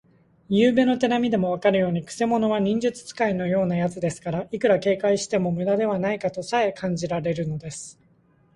ゆうべの手なみでもわかるように、くせ者は忍術使いのようなやつですから、いくら警戒してもむだではないかとさえ感じられるのです。